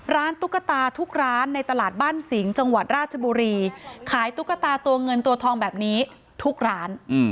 ตุ๊กตาทุกร้านในตลาดบ้านสิงห์จังหวัดราชบุรีขายตุ๊กตาตัวเงินตัวทองแบบนี้ทุกร้าน